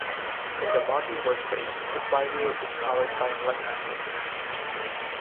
In the modern workplace, the flywheel is powered by an electric motor.